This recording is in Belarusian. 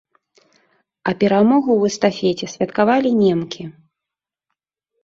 А перамогу ў эстафеце святкавалі немкі.